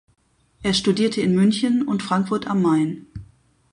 Er studierte in München und Frankfurt am Main.